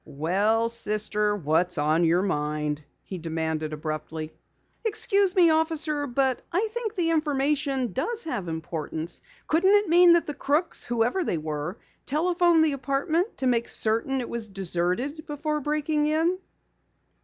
"Well, sister, what's on your mind?" he demanded abruptly. "Excuse me, officer, but I think the information does have importance. Couldn't it mean that the crooks, whoever they were, telephoned the apartment to make certain it was deserted before breaking in?"